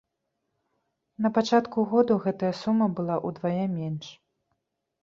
На пачатку году гэтая сума была ўдвая менш.